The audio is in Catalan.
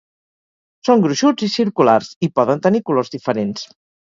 Són gruixuts i circulars i poden tenir colors diferents.